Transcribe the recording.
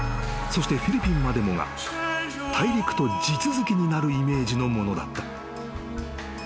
そしてフィリピンまでもが大陸と地続きになるイメージのものだった］